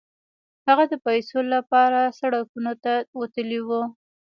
هغه د پيسو لپاره سړکونو ته وتلی و.